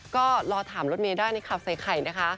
ก็รอถามรถเมย์ได้ในข่าวใส่ไข่นะคะ